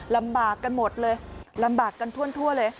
ลำบากกันหมดเลยลำบากกันทั่วเลย